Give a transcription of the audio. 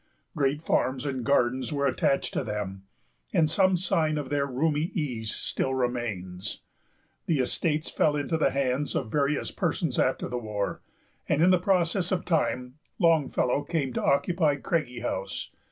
Great farms and gardens were attached to them, and some sign of their roomy ease still remains. The estates fell into the hands of various persons after the war, and in process of time Longfellow came to occupy Craigie House.